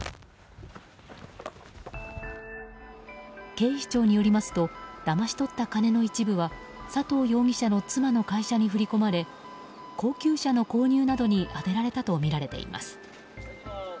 警視庁によりますとだまし取った金の一部は佐藤容疑者の妻の会社に振り込まれ高級車の購入などに充てられたとみられています。